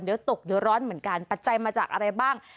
เดี๋ยวตกเดี๋ยวร้อนเหมือนกันปัจจัยมาจากอะไรบ้าง